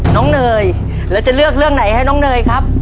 เนยแล้วจะเลือกเรื่องไหนให้น้องเนยครับ